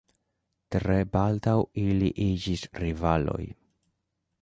Tre baldaŭ ili iĝis rivaloj.